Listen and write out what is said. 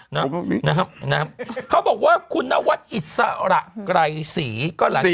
นะครับนะฮะเขาบอกว่าคุณนวัดอิสระไกรศรีก็หลังจาก